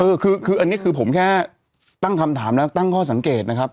เออคืออันนี้คือผมแค่ตั้งคำถามแล้วตั้งข้อสังเกตนะครับ